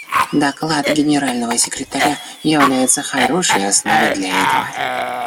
Доклад Генерального секретаря является хорошей основой для этого.